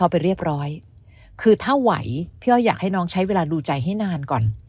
พี่อ้อยอยากให้น้องใช้เวลาดูใจให้นานก่อน